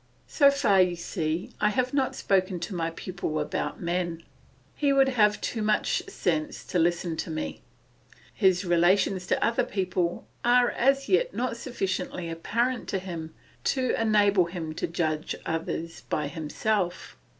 So far you see I have not spoken to my pupil about men; he would have too much sense to listen to me. His relations to other people are as yet not sufficiently apparent to him to enable him to judge others by himself.